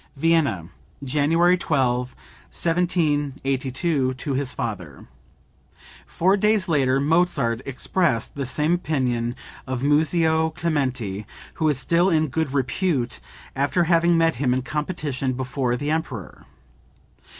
(Vienna, January 12, 1782, to his father. Four days later Mozart expressed the same opinion of Muzio Clementi, who is still in good repute, after having met him in competition before the emperor.